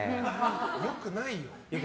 良くないよ。